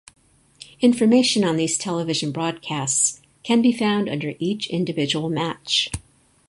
Information on these television broadcasts can be found under each individual match.